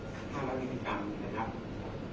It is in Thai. ทางบินกรรมนะครับ